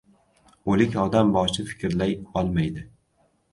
O‘lik odam boshi fikrlay olmaydi".